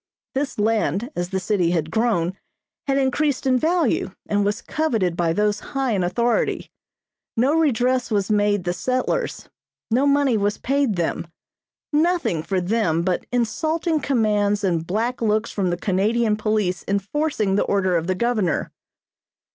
This land, as the city had grown, had increased in value and was coveted by those high in authority. No redress was made the settlers, no money was paid them, nothing for them but insulting commands and black looks from the Canadian police enforcing the order of the governor.